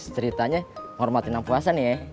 ceritanya hormatinan puasa nih ya